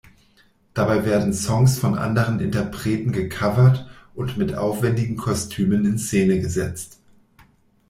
Dabei werden Songs von anderen Interpreten gecovert und mit aufwändigen Kostümen in Szene gesetzt.